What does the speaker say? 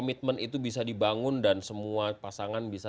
itu bisa dibangun dan semua pasangan